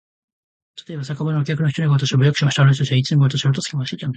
たとえば、酒場のお客の一人がわたしを侮辱しました。あの人たちはいつでもわたしのあとをつけ廻していたんです。